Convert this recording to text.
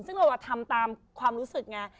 ส่วนเราว่าทำตามความรู้สึกไง